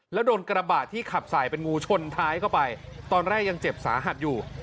แล้วโดนกระบะที่ขับสายเป็นงูชนท้ายเข้าไปตอนแรกยังเจ็บสาหัสอยู่